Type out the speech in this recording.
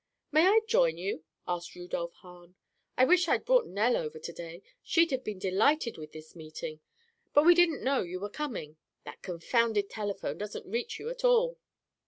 "May I join you?" asked Rudolph Hahn. "I wish I'd brought Nell over to day; she'd have been delighted with this meeting. But we didn't know you were coming. That confounded telephone doesn't reach you at all."